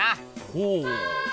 ほう！